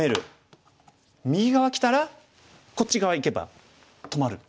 右側きたらこっち側いけば止まる。